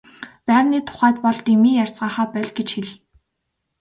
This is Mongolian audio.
Байрны тухайд бол дэмий ярьцгаахаа боль гэж хэл.